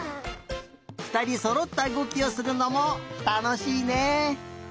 ふたりそろったうごきをするのもたのしいね。